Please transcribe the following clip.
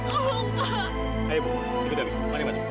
ibu dabi mari masuk